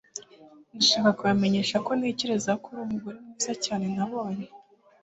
ndashaka kubamenyesha ko ntekereza ko uri umugore mwiza cyane nabonye